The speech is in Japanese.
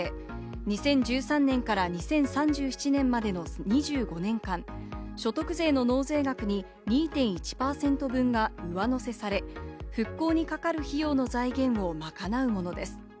２０１３年から２０３７年までの２５年間、所得税の納税額に２．１％分が上乗せされ、復興にかかる費用の財源を賄うものです。